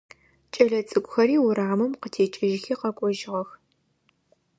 Кӏэлэцӏыкӏухэри урамым къытекӏыжьхи къэкӏожьыгъэх.